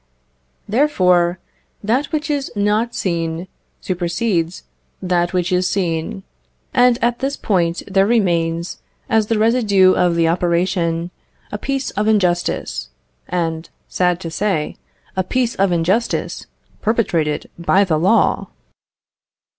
Therefore, that which is not seen supersedes that which is seen, and at this point there remains, as the residue of the operation, a piece of injustice, and, sad to say, a piece of injustice perpetrated by the law!